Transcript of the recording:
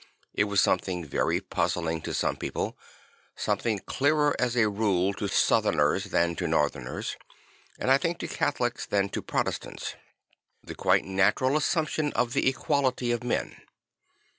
It was some thing very puzzling to some people; something clearer as a rule to Southerners than to Northerners, and I think to Catholics than to Protestants; the quite natural assumption of the equality of men.